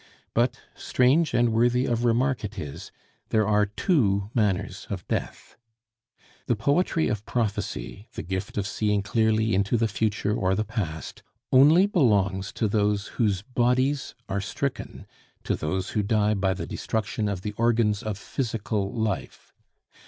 But, strange and worthy of remark it is, there are two manners of death. The poetry of prophecy, the gift of seeing clearly into the future or the past, only belongs to those whose bodies are stricken, to those who die by the destruction of the organs of physical life.